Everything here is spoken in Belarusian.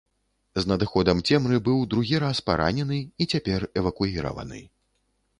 З надыходам цемры быў другі раз паранены і цяпер эвакуіраваны.